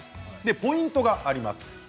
ポイントがあります。